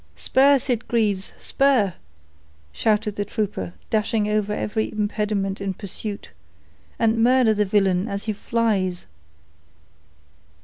"Spur, Sitgreaves—spur," shouted the trooper, dashing over every impediment in pursuit, "and murder the villain as he flies."